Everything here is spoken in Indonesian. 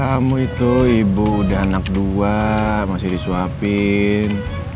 kamu itu ibu udah anak dua masih disuapin